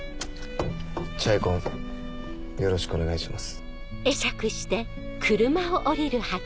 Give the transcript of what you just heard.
『チャイコン』よろしくお願いします。